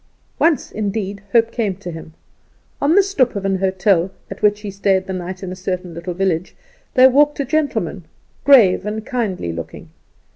Once indeed hope came to him. On the stoep of an hotel at which he stayed the night in a certain little village, there walked a gentleman, grave and kindly looking.